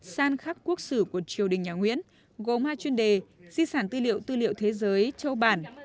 san khắc quốc sử của triều đình nhà nguyễn gồm hai chuyên đề di sản tư liệu tư liệu thế giới châu bản